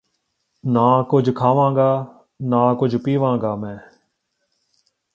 ਨਾ ਕੁੱਝ ਖਾਵਾਂਗਾ ਨਾ ਕੁੱਝ ਪੀਵਾਂਗਾ ਮੈਂ